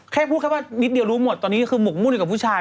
แค่พูดแค่ว่านิดเดียวรู้หมดตอนนี้ก็คือหกมุ่นอยู่กับผู้ชาย